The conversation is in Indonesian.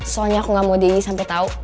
soalnya aku gak mau deddy sampai tahu